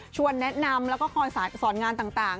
ชวนแนะนำแล้วก็สอนงานต่าง